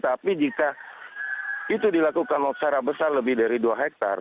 tapi jika itu dilakukan secara besar lebih dari dua hektare